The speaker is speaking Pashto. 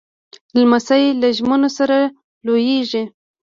لمسی له ژمنو سره لویېږي.